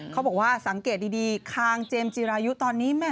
เขาบอกว่าสังเกตดีคางเจมส์จิรายุตอนนี้แม่